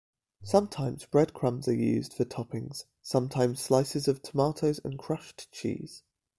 Sometimes bread crumbs are used for toppings, sometimes slices of tomatoes and crushed cheese.